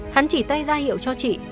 hắn chỉ tay ra hiệu cho chị